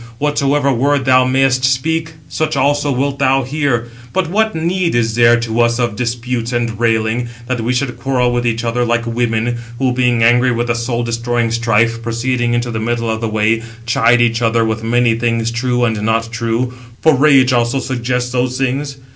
Whatsoever word thou mayest speak, such also wilt thou hear. But what need is there to us of disputes and railing, that we should quarrel with each other like women, who, being angry with a soul destroying strife, proceeding into the middle of the way, chide each other with many things true and not true: for rage also suggests those things?